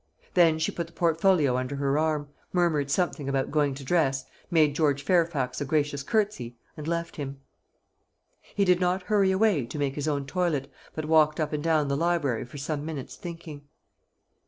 Then she put the portfolio under her arm, murmured something about going to dress, made George Fairfax a gracious curtsey, and left him. He did not hurry away to make his own toilet, but walked up and down the library for some minutes, thinking.